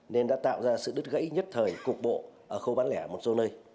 nên đã tạo ra sự đứt gãy nhất thời cục bộ ở khâu bán lẻ ở một số nơi